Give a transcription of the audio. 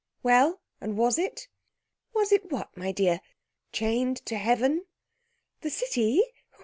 "Well, and was it?" "Was it what, my dear?" "Chained to heaven?" "The city?